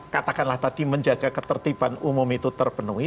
katakanlah tadi menjaga ketertiban umum itu terpenuhi